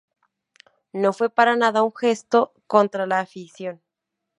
No fue para nada un gesto contra la afición".